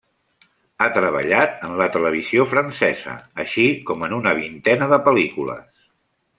Ha treballat en la televisió francesa, així com en una vintena de pel·lícules.